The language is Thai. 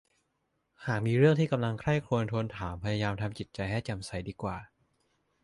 หากมีเรื่องที่กำลังใคร่ครวญทวนถามพยายามทำจิตใจให้แจ่มใสดีกว่า